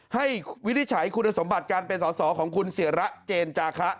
วินิจฉัยคุณสมบัติการเป็นสอสอของคุณเสียระเจนจาคะ